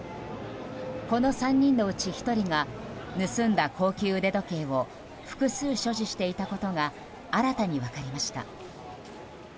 この３人のうち１人が盗んだ高級腕時計を複数所持していたことが新たに分かりました。